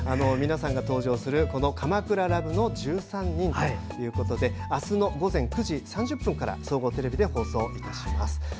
皆さんが登場する「鎌倉ＬＯＶＥの１３人」はあすの午前９時３０分から総合テレビで放送いたします。